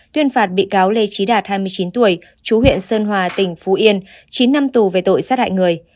tuyên phạt bị cáo lê trí đạt hai mươi chín tuổi chú huyện sơn hòa tỉnh phú yên chín năm tù về tội sát hại người